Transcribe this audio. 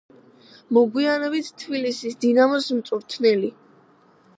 მოგვიანებით თბილისის „დინამოს“ მწვრთნელი.